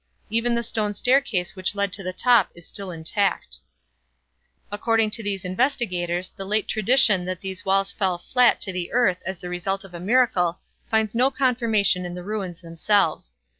Even the stone staircase which led to the top is still intact. According to these investigators the late tradition that these walls fell flat to the earth as the result of a miracle finds no confirmation in the ruins themselves.